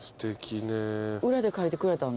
裏で書いてくれたの？